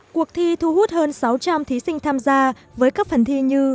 cuộc thi thu hút hơn sáu trăm linh thí sinh tham gia với các phần thi như